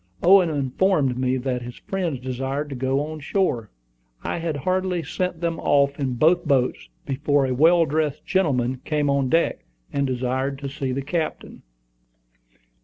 Owen informed me that his friends desired to go on shore. I had hardly sent them off in both boats, before a well dressed gentleman came on deck, and desired to see the captain.